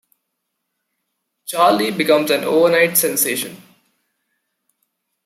Charlie becomes an overnight sensation.